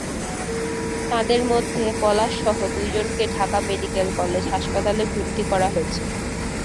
তাঁদের মধ্যে পলাশসহ দুজনকে ঢাকা মেডিকেল কলেজ হাসপাতালে ভর্তি করা হয়েছে।